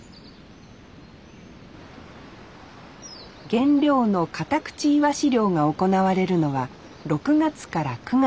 原料のカタクチイワシ漁が行われるのは６月から９月。